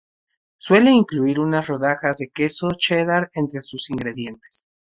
Suele incluir unas rodajas de queso Cheddar entre sus ingredientes.